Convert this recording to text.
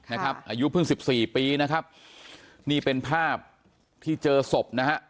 อายุเพิ่งสิบสี่ปีนะครับนี่เป็นภาพที่เจอศพนะฮะ